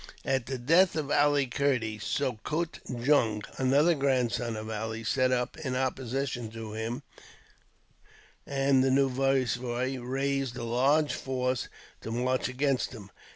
At the death of Ali Kerdy, Sokut Jung, another grandson of Ali, set up in opposition to him, and the new viceroy raised a large force to march against him.